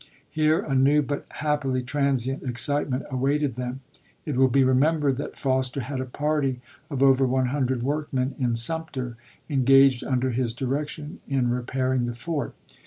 Here a new but happily transient excitement awaited them. It will be remembered that Foster had a party of over one hundred workmen in Sumter, engaged under his direction in repairing the fort.